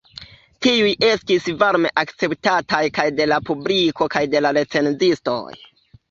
Tiuj estis varme akceptataj kaj de la publiko kaj de la recenzistoj.